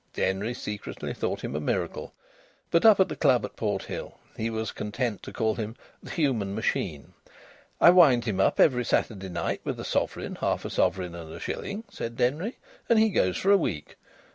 Denry secretly thought him a miracle, but up at the club at Porthill he was content to call him "the human machine." "I wind him up every Saturday night with a sovereign, half a sovereign, and a shilling," said Denry, "and he goes for a week.